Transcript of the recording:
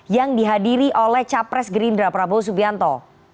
yang dihadiri oleh capres gerindra prabowo subianto